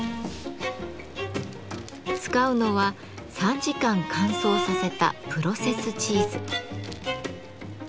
使うのは３時間乾燥させたプロセスチーズ。